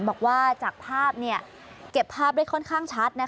บอกว่าจากภาพเก็บภาพได้ค่อนข้างชัด